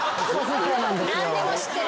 何でも知ってる。